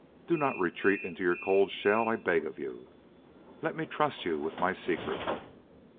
Do not retreat into your cold shell, I beg of you.... Let me trust you with my secret."